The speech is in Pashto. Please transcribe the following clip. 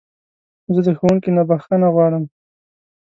زه د ښوونکي نه بخښنه غواړم.